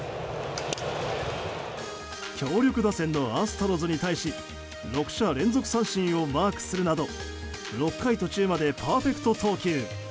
強力打線のアストロズに対し６者連続三振をマークするなど６回途中までパーフェクト投球。